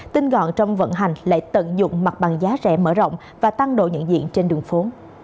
tinh gọn trong vận hành lại tận dụng mặt bằng giá rẻ mở rộng và tăng độ nhận diện trên đường phố